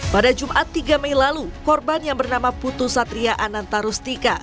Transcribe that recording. pada jumat tiga mei lalu korban yang bernama putu satria ananta rustika